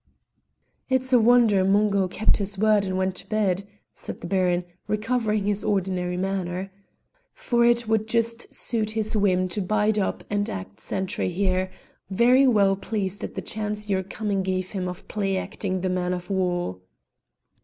"It's a wonder Mungo kept his word and went to bed," said the Baron, recovering his ordinary manner, "for it would just suit his whim to bide up and act sentry here, very well pleased at the chance your coming gave him of play acting the man of war."